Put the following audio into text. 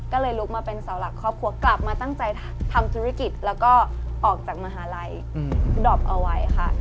ก็เลยลุกมาเป็นเสาหลักครอบครัวกลับมาตั้งใจทำธุรกิจแล้วก็ออกจากมหาลัยดอบเอาไว้ค่ะ